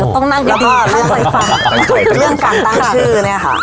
อ๋อต้องนั่งอย่างดีแล้วก็เรื่องอะไรฟังเรื่องการตั้งชื่อเนี้ยค่ะ